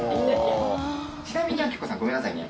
ちなみにアキコさんごめんなさいね。